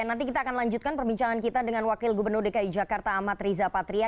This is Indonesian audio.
nanti kita akan lanjutkan perbincangan kita dengan wakil gubernur dki jakarta amat riza patria